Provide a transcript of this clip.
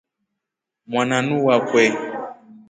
Mwananuu wakwe.